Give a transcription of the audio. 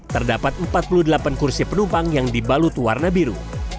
terdapat empat puluh delapan kursi penumpang yang dibalut warna biru